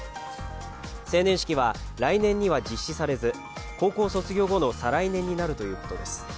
成年式は来年には実施されず高校卒業後の再来年になるということです。